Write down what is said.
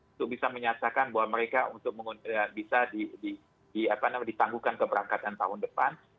untuk bisa menyatakan bahwa mereka untuk bisa ditangguhkan keberangkatan tahun depan